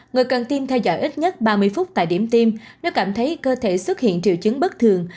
người cần tiêm theo dõi ít nhất ba mươi phút tại điểm tiêm nếu cảm thấy cơ thể xuất hiện triệu chứng bất thường